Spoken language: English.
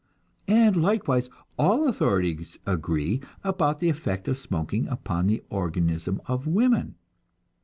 And likewise, all authorities agree about the effect of smoking upon the organism of women.